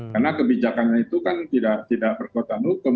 karena kebijakan itu kan tidak berkekuatan hukum